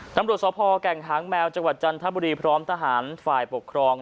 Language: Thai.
ตำรวจสภแก่งหางแมวจังหวัดจันทบุรีพร้อมทหารฝ่ายปกครอง